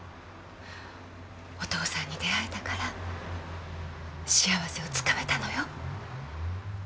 お父さんに出会えたから幸せをつかめたのよ。